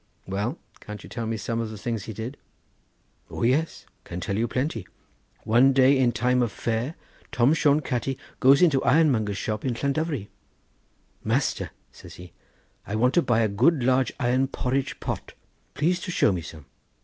Well, can't you tell me some of the things he did?" "O yes, can tell you plenty. One day in time of fair Tom Shone Catti goes into ironmonger's shop in Llandovery. 'Master,' says he, 'I want to buy a good large iron porridge pot; please to show me some.